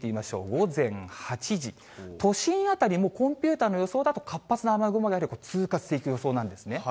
午前８時、都心辺り、コンピュータの予想だと活発な雨雲が通過していく予想なんですね。